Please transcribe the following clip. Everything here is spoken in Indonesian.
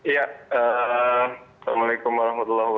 ya assalamualaikum wr wb